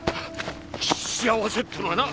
幸せってのはな。